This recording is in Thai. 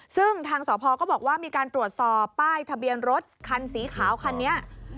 ซึ่งทางสพก็บอกว่ามีการตรวจสอบป้ายทะเบียนรถคันสีขาวคันนี้